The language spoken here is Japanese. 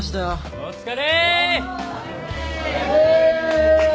お疲れ！